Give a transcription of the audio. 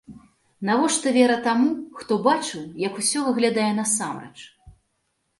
Навошта вера таму, хто бачыў, як усё выглядае насамрэч?